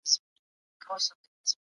پیدا کړئ.